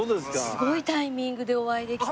すごいタイミングでお会いできて。